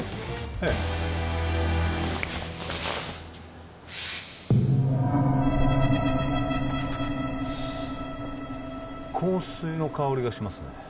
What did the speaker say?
ええ香水の香りがしますね